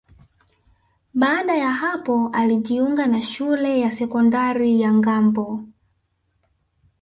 Baada ya hapo alijiunga na Shule ya Sekondari ya Ngambo